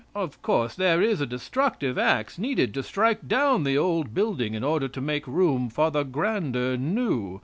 "Of course there is a destructive ax needed to strike down the old building in order to make room for the grander new.